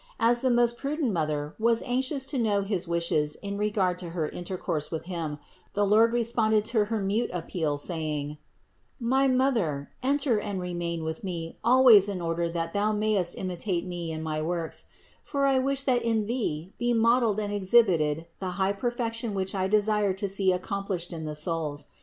As the most prudent Mother was anxious to know his wishes in regard to her intercourse with Him, the Lord responded to her mute appeal, saying: "My Mother, enter and remain with Me always in order that thou mayest imitate Me in my works ; for I wish that in thee be modeled and exhibited the high perfection which I desire to see accomplished in the souls.